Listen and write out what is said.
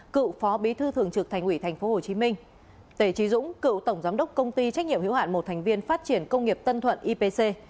cựu phó bí thư thường trực thành ủy tp hcm tề trí dũng cựu tổng giám đốc công ty trách nhiệm hữu hạn một thành viên phát triển công nghiệp tân thuận ipc